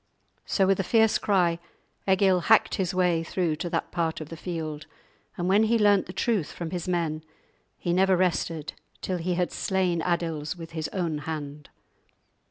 So with a fierce cry Egil hacked his way through to that part of the field, and when he learnt the truth from his men, he never rested till he had slain Adils with his own hand.